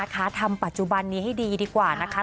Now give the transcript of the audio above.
ทำปัจจุบันนี้ให้ดีดีกว่านะคะ